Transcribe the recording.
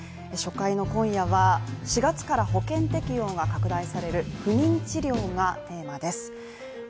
初回の今夜は、４月から保険適用が拡大される不妊治療がテーマです。